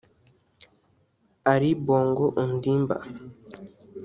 Ali Bongo Ondimba